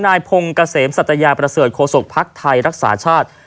นายพงศ์เกษมสัตยาประเสริฐโฆษกภักดิ์ไทยรักษาชาติ